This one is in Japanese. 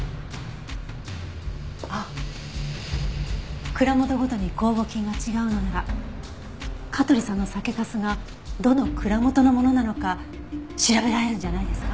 あっ蔵元ごとに酵母菌が違うのなら香取さんの酒粕がどの蔵元のものなのか調べられるんじゃないですか？